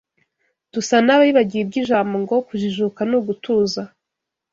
Dusa n’ abibagiwe iby’ ijambo Ngo kujijuka ni ugutuza